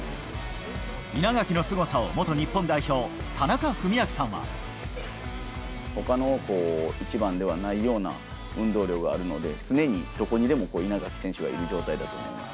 稲垣のすごさを元日本代表、ほかの１番ではないような運動量があるので、常にどこにでも稲垣選手がいる状態だと思います。